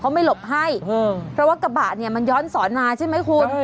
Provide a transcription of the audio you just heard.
เขาไม่หลบให้เพราะว่ากระบะเนี่ยมันย้อนสอนมาใช่ไหมคุณ